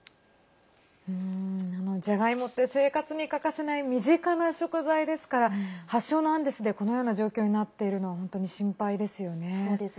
じゃがいもって生活に欠かせない身近な食材ですから発祥のアンデスでこのような状況になっているのは本当に心配ですよね。